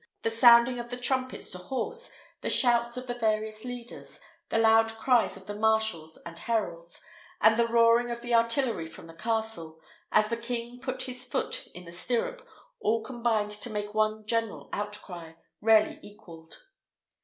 The sounding of the trumpets to horse, the shouts of the various leaders, the loud cries of the marshals and heralds, and the roaring of the artillery from the castle, as the king put his foot in the stirrup, all combined to make one general outcry, rarely equalled.